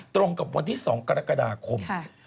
ตรงกับวันที่๒กรกฎาคม